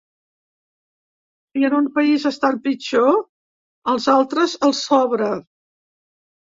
Si en un país estan pitjor, als altres els sobra.